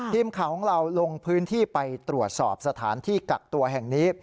ทีมข่าวของเราลงพื้นที่ไปตรวจสอบสถานที่กักตัวแห่งนี้